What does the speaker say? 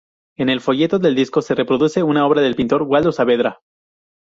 En el folleto del disco se reproduce una obra del pintor Waldo Saavedra.